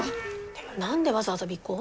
でも何でわざわざ尾行？